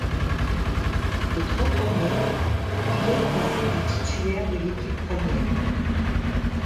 Les trois premières, il est dans la peau du titulaire de l'équipe première.